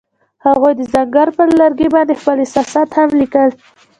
هغوی د ځنګل پر لرګي باندې خپل احساسات هم لیکل.